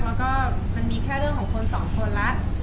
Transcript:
แล้วก็มันมีแค่เรื่องของคนสองคนแล้ว